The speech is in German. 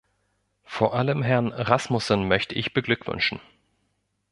Vor allem Herrn Rasmussen möchte ich beglückwünschen.